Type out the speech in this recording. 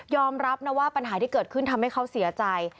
รับนะว่าปัญหาที่เกิดขึ้นทำให้เขาเสียใจ